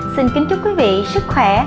xin kính chúc quý vị sức khỏe